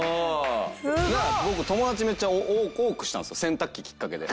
だから僕友達めっちゃ多くしたんですよ洗濯機きっかけで。